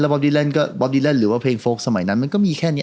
แล้วบ๊อบดีแลนด์ก็บ๊อบดีแลนด์หรือว่าเพลงโฟล์คสมัยนั้นมันก็มีแค่เนี้ย